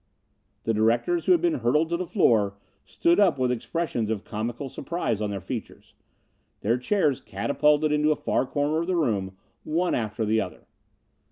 The directors who had been hurtled to the floor stood up with expressions of comical surprise on their features. Their chairs catapulted into a far corner of the room, one after the other.